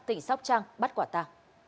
tỉnh sóc trăng bắt quả tà